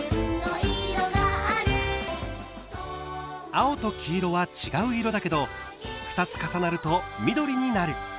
「あお」と「きいろ」は違う色だけど２つ重なると「みどり」になる。